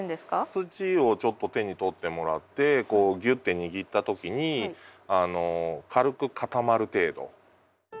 土をちょっと手に取ってもらってこうぎゅって握った時に軽く固まる程度。